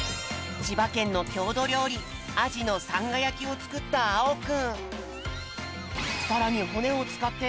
ちばけんのきょうどりょうりアジのさんがやきをつくったあおくん。